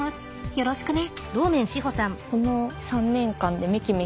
よろしくね。